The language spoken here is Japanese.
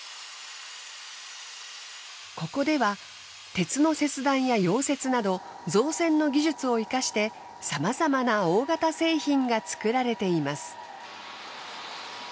ここでは鉄の切断や溶接など造船の技術を生かしてさまざまな大型製品が造られています。